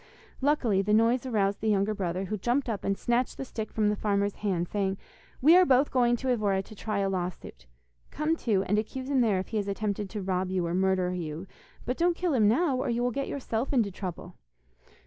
Luckily, the noise aroused the younger brother, who jumped up and snatched the stick from the farmer's hand, saying: 'We are both going to Evora to try a law suit. Come too, and accuse him there if he has attempted to rob you or murder you, but don't kill him now, or you will get yourself into trouble.